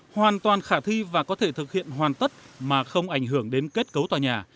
hoàn toàn khả thi và có thể thực hiện hoàn tất mà không ảnh hưởng đến kết cấu tòa nhà